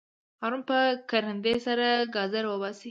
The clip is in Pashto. هارون په کرندي سره ګازر وباسي.